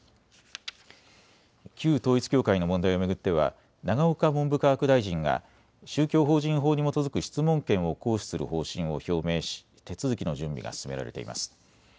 旧統一教会の問題を巡っては永岡文部科学大臣が宗教法人法に基づく質問権を行使する方針を表明し手続きの準備が進められています。